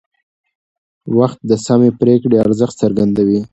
وخت د سمې پرېکړې ارزښت څرګندوي